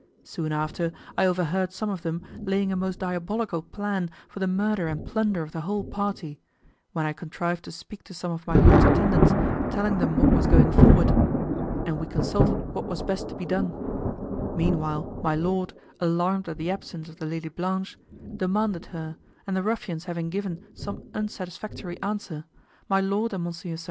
Soon after, I overheard some of them laying a most diabolical plan for the murder and plunder of the whole party, when I contrived to speak to some of my lord's attendants, telling them what was going forward, and we consulted what was best to be done; meanwhile my lord, alarmed at the absence of the Lady Blanche, demanded her, and the ruffians having given some unsatisfactory answer, my lord and Mons. St.